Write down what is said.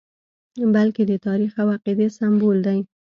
بلکې د تاریخ او عقیدې سمبول دی.